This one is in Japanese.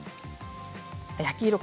焼き色か。